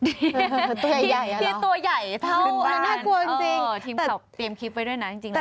เป็นเพื่อนกับมนุษย์ที่ตัวใหญ่เท่านั้นน่ากลัวจริงนะครับทีมเขาเตรียมคลิปไว้ด้วยนะจริงแล้ว